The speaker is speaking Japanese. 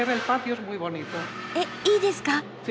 えっいいですか？